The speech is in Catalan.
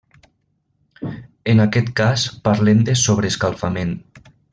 En aquest cas parlem de sobreescalfament.